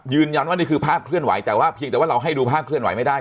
ยืนยันว่านี่คือภาพเคลื่อนไหวแต่พีคเราให้ดูภาพเคลื่อนไหวไม่ได้